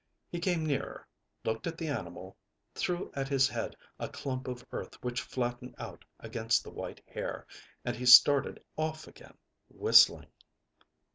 He came nearer, looked at the animal, threw at his head a clump of earth which flattened out against the white hair, and he started off again, whistling.